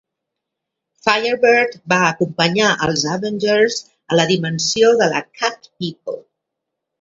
Firebird va acompanyar els Avengers a la dimensió de la Cat People.